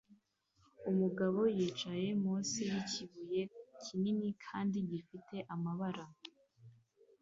Umugabo yicaye munsi yikibuye kinini kandi gifite amabara